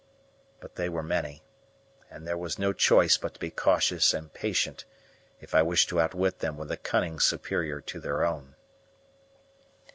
But they were many, and there was no choice but to be cautious and patient if I wished to outwit them with a cunning superior to their own.